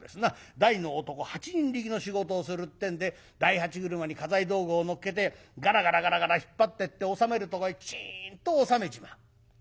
大の男八人力の仕事をするってんで大八車に家財道具を乗っけてガラガラガラガラ引っ張ってって収めるとこへきちんと収めちまう。